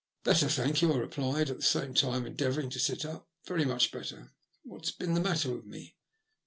Better, thank you," I replied, at the same time endeavouring to sit up. *' Very much better. What has been the matter with me